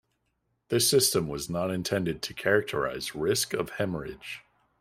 This system was not intended to characterize risk of hemorrhage.